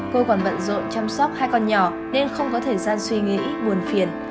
cô còn bận rộn chăm sóc hai con nhỏ nên không có thời gian suy nghĩ buồn phiền